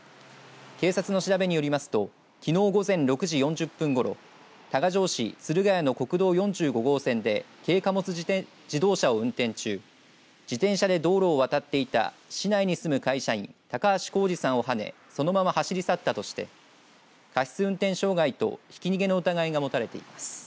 警察の調べによりますときのう午前６時４０分ごろ多賀城市鶴ヶ谷の国道４５号線で軽貨物自動車を運転中自転車で道路を渡っていた市内に住む会社員高橋公司さんをはねそのまま走り去ったとして過失運転傷害とひき逃げの疑いが持たれています。